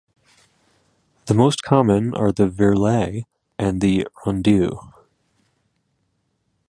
The most common are the "virelai" and the "rondeau".